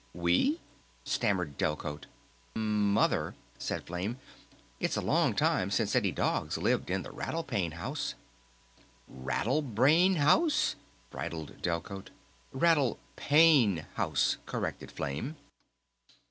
"W we?" stammered Delcote. "M Mother," said Flame. "... It's a long time since any dogs lived in the Rattle Pane House." "Rattle Brain house?" bridled Delcote. "Rattle Pane House," corrected Flame.